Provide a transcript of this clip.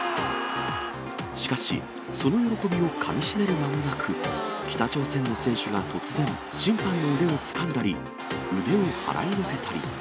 しかし、その喜びをかみしめる間もなく、北朝鮮の選手が突然、審判の腕をつかんだり、腕を払いのけたり。